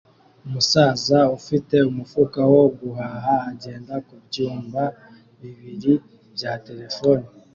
Umusaza ufite umufuka wo guhaha agenda ku byumba bibiri bya terefone